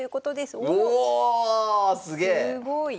すごい！